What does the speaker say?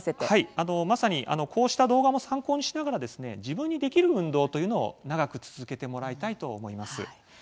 こうした動画も参考にしながら自分にできる運動を長く続けてもらいたいと思います。